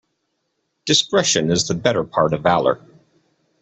Discretion is the better part of valour.